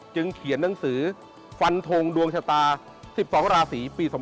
เขียนหนังสือฟันทงดวงชะตา๑๒ราศีปี๒๕๖